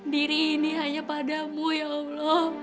diri ini hanya padamu ya allah